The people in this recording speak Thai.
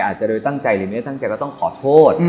อาจจะโดยตั้งใจหรือไม่ตั้งใจก็ต้องขอโทษ